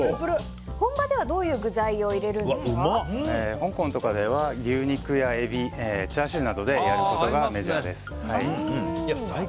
本場では香港とかでは牛肉やエビチャーシューなどでやることがメジャーです。